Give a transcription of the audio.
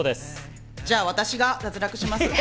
じゃあ、私が脱落します。